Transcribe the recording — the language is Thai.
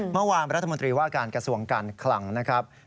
เมื่อวานรัฐมนตรีว่าการกระทรวงการคลังนะครับ